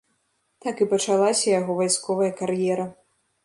Так і пачалася яго вайсковая кар'ера.